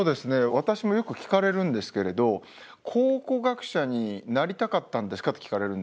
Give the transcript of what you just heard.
私もよく聞かれるんですけれど「考古学者になりたかったんですか？」って聞かれるんですけど